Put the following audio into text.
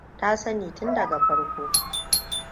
Ta sani tun daga farko.